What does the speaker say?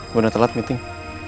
gue udah telat meeting